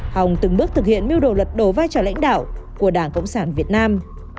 hồng từng bước thực hiện mưu đồ lật đổ vai trò lãnh đạo của đảng cộng sản việt nam